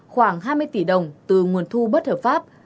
khoảng hai mươi tỷ đồng từ nguồn thu bất hợp pháp